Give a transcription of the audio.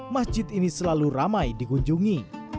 masjid ini selalu ramai dikunjungi